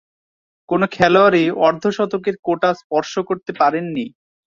কোন খেলোয়াড়ই অর্ধ-শতকের কোটা স্পর্শ করতে পারেননি।